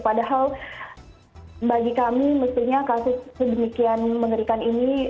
padahal bagi kami mestinya kasus sedemikian mengerikan ini